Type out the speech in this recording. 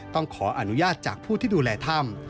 ต้องขออนุญาตจากผู้ที่ดูแลถ้ำ